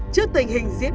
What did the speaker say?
trước tình hình diễn biến